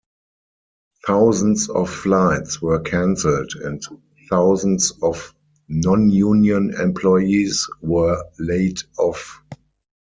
Thousands of flights were canceled, and thousands of nonunion employees were laid off.